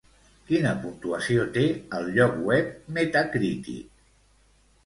Quina puntuació té al lloc web Metacritic?